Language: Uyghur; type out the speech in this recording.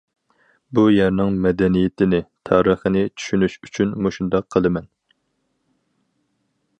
بۇ يەرنىڭ مەدەنىيىتىنى، تارىخىنى چۈشىنىش ئۈچۈن مۇشۇنداق قىلىمەن.